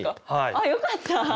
あっよかった！